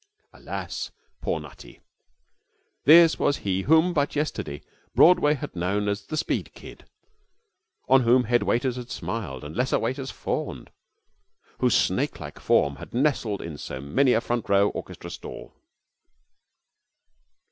Alas, poor Nutty! This was he whom but yesterday Broadway had known as the Speed Kid, on whom head waiters had smiled and lesser waiters fawned; whose snake like form had nestled in so many a front row orchestra stall.